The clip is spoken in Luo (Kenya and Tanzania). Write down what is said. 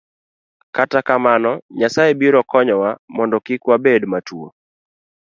Kata kamano, Nyasaye biro konyowa mondo kik wabed matuwo.